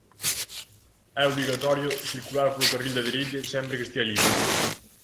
É obrigatorio circular polo carril da dereita sempre que estea libre.